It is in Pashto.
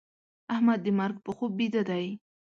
احمد د مرګ په خوب بيده دی.